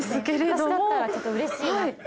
私だったらちょっとうれしいなって。